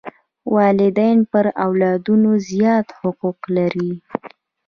والدین پر اولادونو زیات حقوق لري.